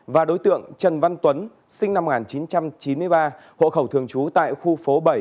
và đối tượng trần văn tuấn sinh năm một nghìn chín trăm chín mươi ba hộ khẩu thường trú tại khu phố bảy